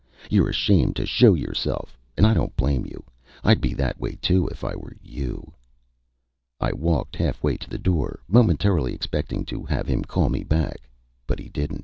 You're ashamed to show yourself and I don't blame you. I'd be that way too if I were you." I walked half way to the door, momentarily expecting to have him call me back; but he didn't.